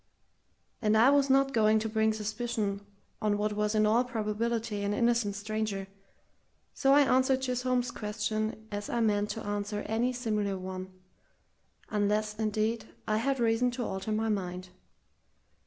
And I was not going to bring suspicion on what was in all probability an innocent stranger, so I answered Chisholm's question as I meant to answer any similar one unless, indeed, I had reason to alter my mind.